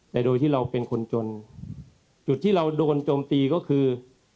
แต่โดยที่เราเป็นคนจนจุดที่เราโดนโจมตีก็คือ